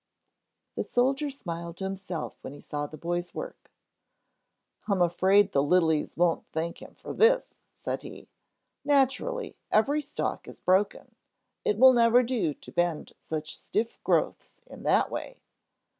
The soldier smiled to himself when he saw the boy's work. "I'm afraid the lilies won't thank him for this," said he. "Naturally, every stalk is broken. It will never do to bend such stiff growths in that way!"